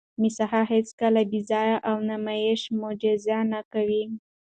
مسیحا هیڅکله بېځایه او نمایشي معجزه نه کوي.